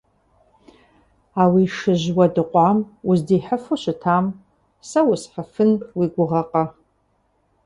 А уи шыжь уэдыкъуам уздихьыфу щытам сэ усхьыфын уи гугъэкъэ?